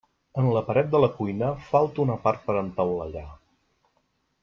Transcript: En la paret de la cuina falta una part per entaulellar.